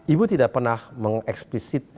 ibu tidak pernah mengeksplisit